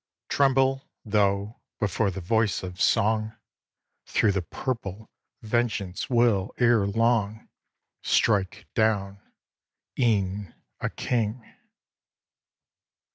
Tremble, though, before the voice of song Through the purple, vengeance will, ere long, Strike down e'en a king!